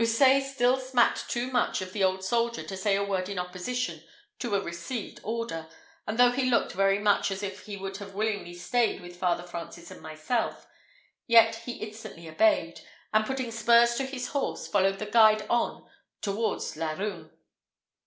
Houssaye still smacked too much of the old soldier to say a word in opposition to a received order, and though he looked very much as if he would have willingly stayed with Father Francis and myself, yet he instantly obeyed, and putting spurs to his horse, followed the guide on towards Laruns.